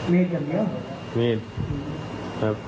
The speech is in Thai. มีดกับเงียบ